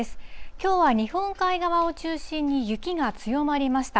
きょうは日本海側を中心に、雪が強まりました。